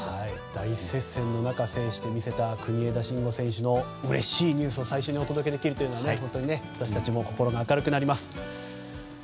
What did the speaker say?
大接戦の中、見せた国枝慎吾選手のうれしいニュースを最初にお届けできるというので明るくなります。